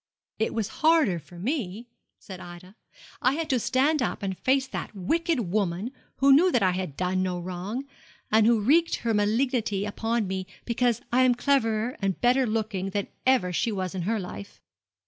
'It was harder for me,' said Ida; 'I had to stand up and face that wicked woman, who knew that I had done no wrong, and who wreaked her malignity upon me because I am cleverer and better looking than ever she was in her life.'